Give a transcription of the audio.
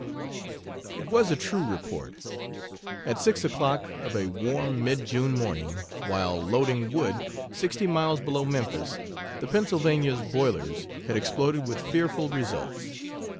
It was a true report. At six o'clock of a warm, mid June morning, while loading wood, sixty miles below Memphis, the Pennsylvania's boilers had exploded with fearful results.